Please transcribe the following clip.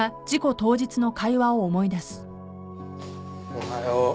おはよう